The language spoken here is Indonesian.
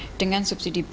untuk mengurangi subsidi bbm